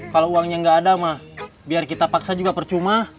kalau uangnya nggak ada mah biar kita paksa juga percuma